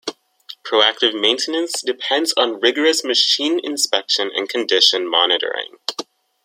Proactive maintenance depends on rigorous machine inspection and condition monitoring.